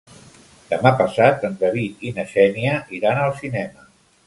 Demà passat en David i na Xènia iran al cinema.